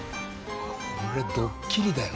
これドッキリだよ。